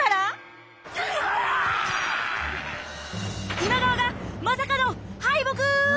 今川がまさかの敗北！